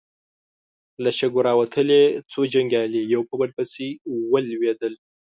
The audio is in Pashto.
له شګو راوتلې څو جنګيالي يو په بل پسې ولوېدل.